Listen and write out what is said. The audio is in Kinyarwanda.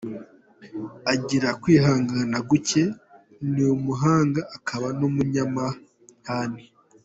Agira kwihangana gucye, ni umuhanga, akaba n’umunyamahane.